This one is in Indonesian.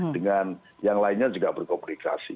dengan yang lainnya juga berkomunikasi